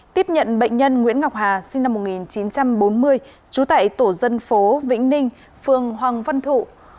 tiếp nhận bệnh nhân nguyễn ngọc hà sinh năm một nghìn chín trăm bốn mươi trú tại tổ dân phố vĩnh ninh phường hoàng văn thụ